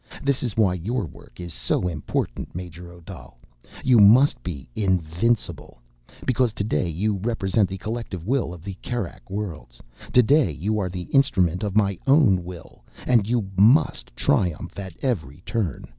This is why your work is so important, Major Odal. You must be invincible! Because today you represent the collective will of the Kerak Worlds. Today you are the instrument of my own will—and you must triumph at every turn.